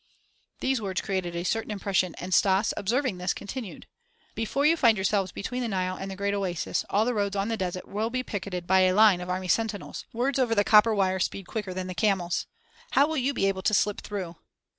These words created a certain impression and Stas, observing this, continued: "Before you find yourselves between the Nile and the great oasis all the roads on the desert will be picketed by a line of army sentinels. Words over the copper wire speed quicker than camels. How will you be able to slip through?"